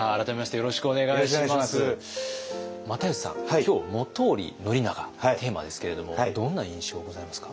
今日「本居宣長」テーマですけれどもどんな印象ございますか？